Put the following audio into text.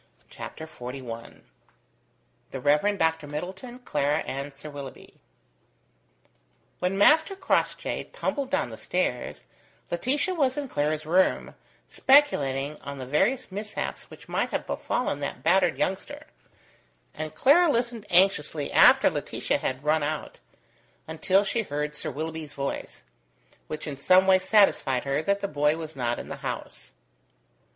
CHAPTER XLI THE REV. DR. MIDDLETON, CLARA, AND SIR WILLOUGHBY When Master Crossjay tumbled down the stairs, Laetitia was in Clara's room, speculating on the various mishaps which might have befallen that battered youngster; and Clara listened anxiously after Laetitia had run out, until she heard Sir Willoughby's voice; which in some way satisfied her that the boy was not in the house.